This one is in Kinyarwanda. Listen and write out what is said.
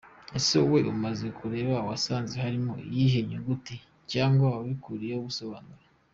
Ese wowe umaze kureba wasanze harimo iyihe nyuguti? Cyangwa wabiburiye ubusobanuro? .